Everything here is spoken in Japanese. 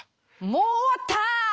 もう終わった！